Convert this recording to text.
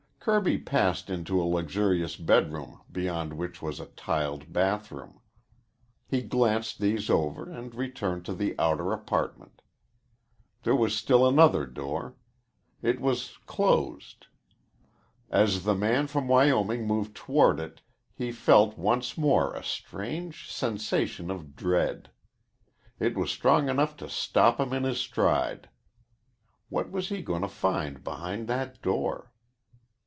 Kirby passed into a luxurious bedroom beyond which was a tiled bathroom. He glanced these over and returned to the outer apartment. There was still another door. It was closed. As the man from Wyoming moved toward it he felt once more a strange sensation of dread. It was strong enough to stop him in his stride. What was he going to find behind that door?